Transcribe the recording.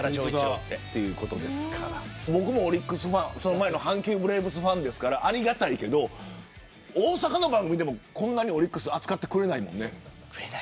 僕もオリックスファンその前の阪急ブレーブスファンですからありがたいけど大阪の番組でもこんなにオリックス扱ってくれないよね。